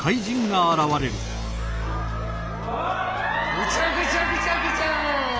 ぐちゃぐちゃぐちゃぐちゃ！